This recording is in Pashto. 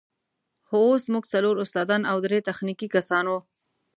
خو اوس موږ څلور استادان او درې تخنیکي کسان وو.